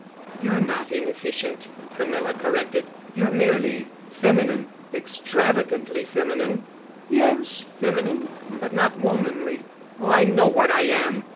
"You're not inefficient," Camilla corrected. "You're merely feminine—extravagantly feminine——" "Yes, feminine—but not womanly. Oh, I know what I am!"